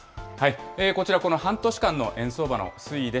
こちら、この半年間の円相場の推移です。